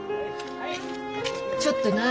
ちょっと何？